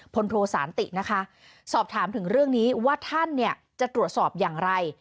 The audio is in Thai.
พลโทสานตินะคะสอบถามถึงเรื่องนี้ว่าท่านเนี่ยจะตรวจสอบอย่างไร